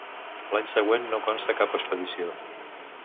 L'any següent no consta cap expedició.